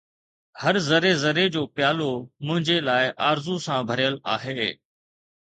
هر ذري ذري جو پيالو منهنجي لاءِ آرزو سان ڀريل آهي